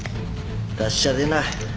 達者でな。